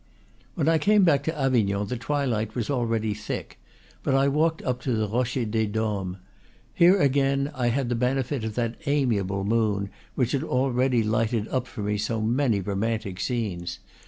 When I came back to Avignon the twilight was already thick; but I walked up to the Rocher des Doms. Here I again had the benefit of that amiable moon which had already lighted up for me so many romantic scenes.